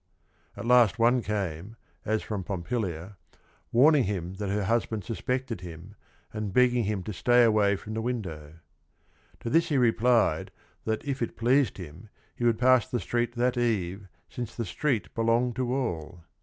At last one came, as from Pompilia, warning him that her husband suspected him and begging him to stay away from the window. To this he replied that if it pleased him, he would pass the street that eve since the street belonged to all.